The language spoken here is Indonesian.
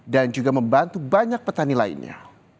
dan juga membantu banyak petani lainnya